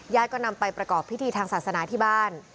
ก็นำไปประกอบพิธีทางศาสนาที่บ้าน